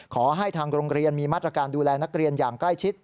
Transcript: ขอให้ทางโรงเรียนมีมาตรการดูแลนักเรียนอย่างใกล้ชิด